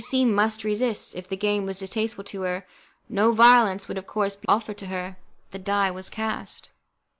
C C must resist, if the game was distasteful to her; no violence would of course be offered to her. The die was cast!